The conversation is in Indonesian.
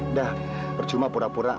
udah berjumah pura pura